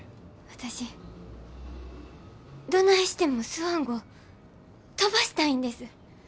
私どないしてもスワン号飛ばしたいんです。